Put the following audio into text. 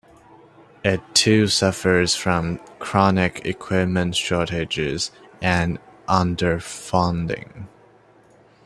It too suffers from chronic equipment shortages and underfunding.